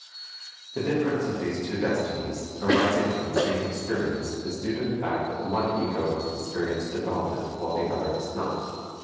The difference of these two destinies, arising from the same experience, is due to the fact that one ego has experienced development while the other has not.